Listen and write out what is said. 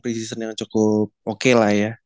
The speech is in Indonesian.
rezation yang cukup oke lah ya